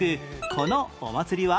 このお祭りは？